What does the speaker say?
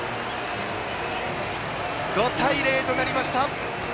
５対０となりました。